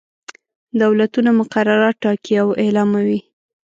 دولتونه مقررات ټاکي او اعلاموي.